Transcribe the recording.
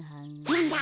なんだ？